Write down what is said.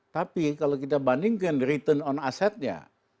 tapi kalau kita bandingkan return on asset nya